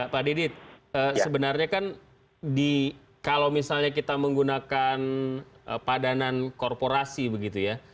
pak didit sebenarnya kan kalau misalnya kita menggunakan padanan korporasi begitu ya